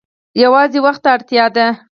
یوازې وخت ته اړتیا ده.